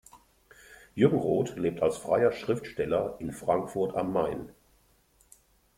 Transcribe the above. Jürgen Roth lebt als freier Schriftsteller in Frankfurt am Main.